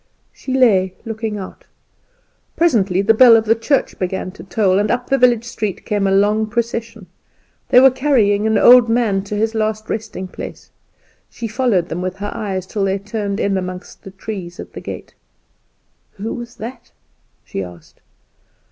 She lay looking out. Presently the bell of the church began to toll, and up the village street came a long procession. They were carrying an old man to his last resting place. She followed them with her eyes till they turned in among the trees at the gate. "Who was that?" she asked.